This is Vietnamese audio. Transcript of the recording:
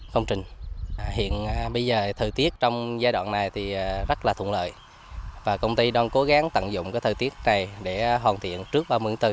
công trình hiện bây giờ thời tiết trong giai đoạn này thì rất là thuận lợi và công ty đang cố gắng tận dụng thời tiết này để hoàn thiện trước ba mươi bốn